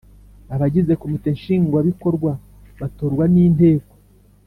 Abagize Komite Nshingwabikorwa batorwa n Inteko